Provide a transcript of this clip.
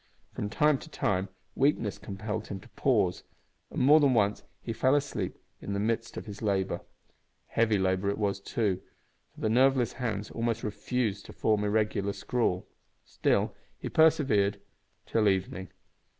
From time to time weakness compelled him to pause, and more than once he fell asleep in the midst of his labour. Heavy labour it was, too, for the nerveless hands almost refused to form the irregular scrawl. Still he persevered till evening.